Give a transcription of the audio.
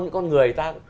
những con người ta